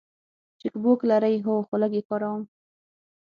چک بوک لرئ؟ هو، خو لږ یی کاروم